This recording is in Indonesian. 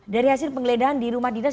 dari hasil penggeledahan di rumah dinas